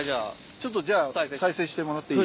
ちょっとじゃあ再生してもらっていい？